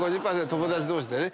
友達同士でね。